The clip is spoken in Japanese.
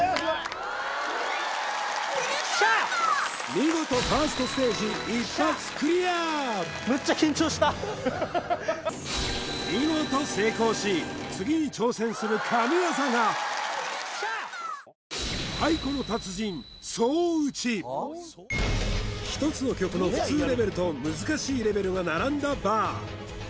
見事１ｓｔステージ一発クリア見事成功し次に挑戦する神業が１つの曲の普通レベルと難しいレベルが並んだバー